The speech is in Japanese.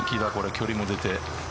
距離も出て。